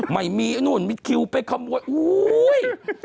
ไม่มีมีคิวไปขโมยโอ๊ย